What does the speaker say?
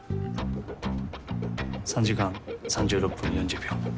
３時間３６分４０秒。